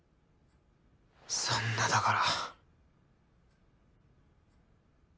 そんなだから。